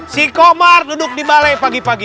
si komar duduk di balai pagi pagi